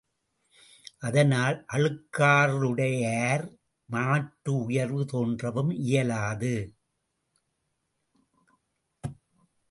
அதனால் அழுக்காறுடையார் மாட்டு உயர்வு தோன்றவும் இயலாது.